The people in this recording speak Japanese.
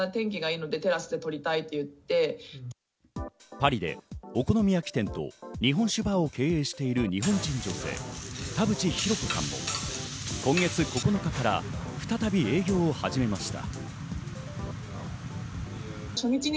パリでお好み焼き店と日本酒バーを経営している日本人女性、田淵寛子さんも、今月９日から再び営業を始めました。